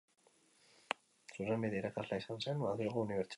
Zuzenbide irakaslea izan zen Madrilgo unibertsitatean.